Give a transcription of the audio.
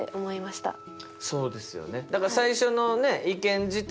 そうですよね。